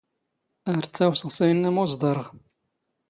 ⴰⵔ ⵜⵜⴰⵡⵙⵖ ⵙ ⴰⵢⵏⵏⴰ ⵎⵓ ⵥⴹⴰⵕⵖ.